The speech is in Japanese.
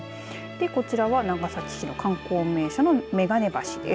こちらは長崎市の観光名所の眼鏡橋です。